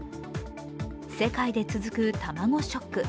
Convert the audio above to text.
世界で続く卵ショック。